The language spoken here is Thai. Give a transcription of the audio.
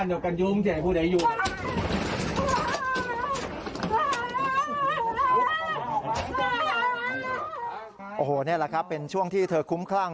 โอ้โหนี่แหละครับเป็นช่วงที่เธอคุ้มคลั่ง